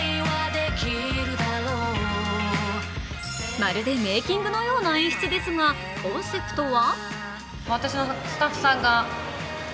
まるでメーキングのような演出ですがコンセプトは？